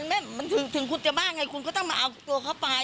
มันถึงคุณจะบ้าไงคุณก็ต้องมาเอาตัวเข้าไป